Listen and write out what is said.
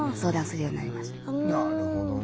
なるほどね。